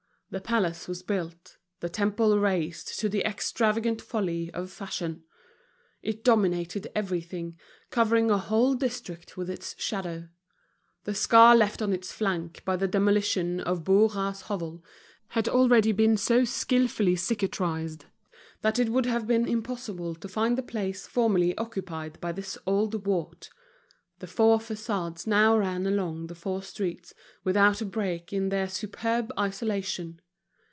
The palace was built, the temple raised to the extravagant folly of fashion. It dominated everything, covering a whole district with its shadow. The scar left on its flank by the demolition of Bourras's hovel had already been so skillfully cicatrized that it would have been impossible to find the place formerly occupied by this old wart—the four façades now ran along the four streets, without a break in their superb isolation.